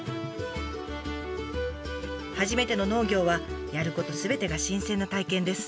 初めての農業はやることすべてが新鮮な体験です。